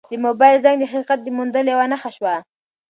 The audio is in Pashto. د موبایل زنګ د حقیقت د موندلو یوه نښه شوه.